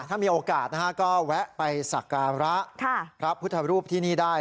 ถ้ามีโอกาสนะฮะก็แวะไปสักการะพระพุทธรูปที่นี่ได้